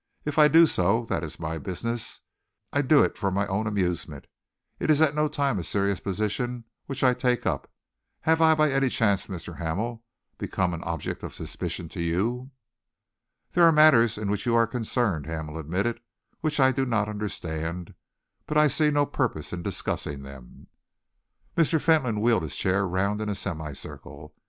If I do so, that is my business. I do it for my own amusement. It is at no time a serious position which I take up. Have I by any chance, Mr. Hamel, become an object of suspicion to you?" "There are matters in which you are concerned," Hamel admitted, "which I do not understand, but I see no purpose in discussing them." Mr. Fentolin wheeled his chair round in a semicircle.